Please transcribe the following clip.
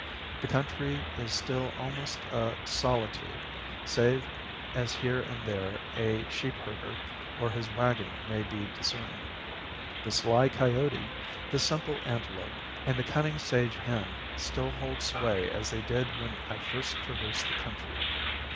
The country is still almost a solitude, save as here and there a sheep herder or his wagon may be discerned. The sly coyote, the simple antelope, and the cunning sage hen still hold sway as they did when I first traversed the country.